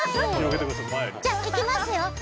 じゃあいきますよ。